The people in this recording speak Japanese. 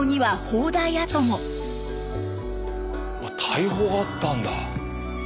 大砲があったんだ！